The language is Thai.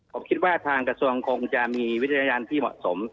ผมคิดว่าทางกระทรวงคงจะมีวิทยานที่เหมาะสม